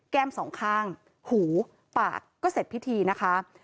สองข้างหูปากก็เสร็จพิธีนะคะ